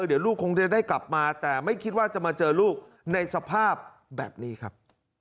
เดี๋ยวลูกคงจะได้กลับมาแต่ไม่คิดว่าจะมาเจอลูกในสภาพแบบนี้ครับ